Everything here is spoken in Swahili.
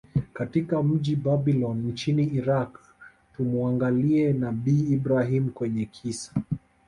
katika mji Babylon nchini Iraq Tumuangalie nabii Ibrahim kwenye kisa